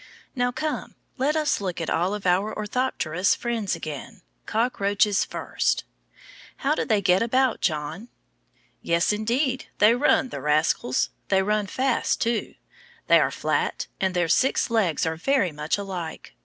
Now, come, let us look at all of our orthopterous friends again, cockroaches first. How do they get about, John? Yes, indeed, they run, the rascals. They run fast too. They are flat and their six legs are very much alike.